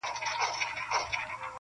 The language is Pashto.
o بې څښلو مي مِزاج د مستانه دی,